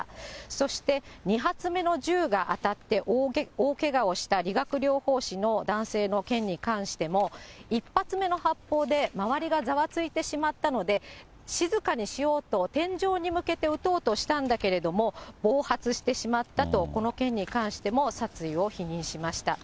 そして、２発目の銃が当たって大けがをした理学療法士の男性の件に関しても、１発目の発砲で周りがざわついてしまったので、静かにしようと、天井に向けて撃とうとしたんだけれども、暴発してしまったと、この件に関しても、殺意を否認しました。